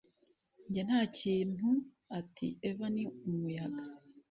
Njye nta kintu ati Eva ni umuyaga